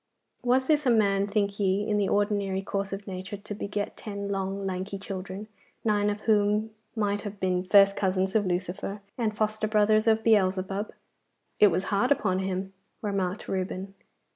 Was this a man, think ye, in the ordinary course of nature to beget ten long lanky children, nine of whom might have been first cousins of Lucifer, and foster brothers of Beelzebub?' 'It was hard upon him,' remarked Reuben.